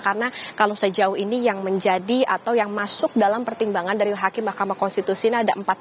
karena kalau sejauh ini yang menjadi atau yang masuk dalam pertimbangan dari hakim mahkamah konstitusi ini ada empat belas